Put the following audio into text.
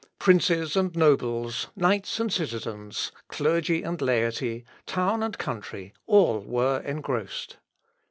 Princes and nobles, knights and citizens, clergy and laity, town and country, all were engrossed.